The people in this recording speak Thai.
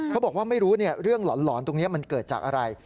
เขาบอกว่าไม่รู้เรื่องหลอนตรงนี้มันเกิดจากอะไร